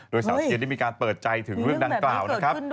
โดยสาวเชียร์ได้มีการเปิดใจถึงเรื่องดังกล่าวนะครับ